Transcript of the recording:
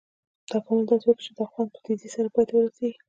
تکامل داسې کار وکړ چې دا خوند په تیزي سره پای ته ورسېږي.